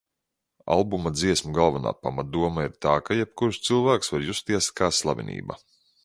Albuma dziesmu galvenā pamatdoma ir tā, ka jebkurš cilvēks var justies kā slavenība.